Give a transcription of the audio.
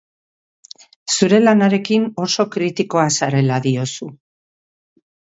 Zure lanarekin oso kritikoa zarela diozu.